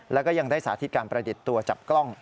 แล้วก็ยังได้สาธิตการประดิษฐ์ตัวจับกล้อง